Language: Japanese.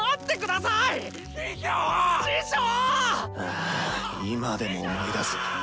ああ今でも思い出す。